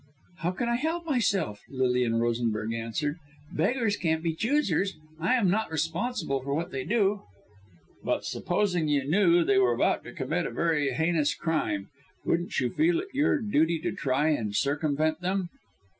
"How can I help myself?" Lilian Rosenberg answered. "Beggars can't be choosers. I am not responsible for what they do." "But supposing you knew they were about to commit a very heinous crime, wouldn't you feel it your duty to try and circumvent them?"